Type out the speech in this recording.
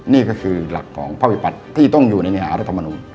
นี่ก็คือหลักของภาวิปัติที่ต้องอยู่ในในหารัฐมนุษย์